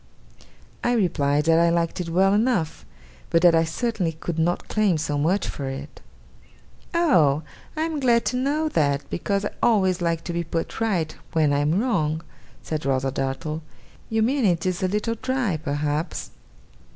I replied that I liked it well enough, but that I certainly could not claim so much for it. 'Oh! I am glad to know that, because I always like to be put right when I am wrong,' said Rosa Dartle. 'You mean it is a little dry, perhaps?